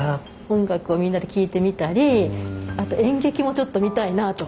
音楽をみんなで聴いてみたりあと演劇もちょっと見たいなと。